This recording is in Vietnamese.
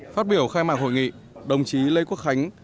phát biểu khai mạc hội nghị đồng chí lê quốc khánh